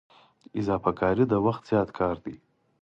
اضافه کاري د وخت زیات کار دی